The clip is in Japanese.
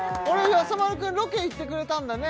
やさ丸くんロケ行ってくれたんだね